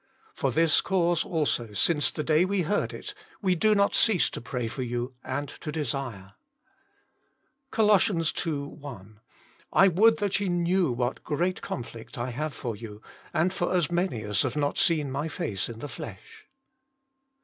For this cause also, since the day we heard it, we do not cease to pray for you, and to desire " Col. ii. 1 :" I would that ye knew what great conflict I have for you, and for as many as have not seen my face in the flesh."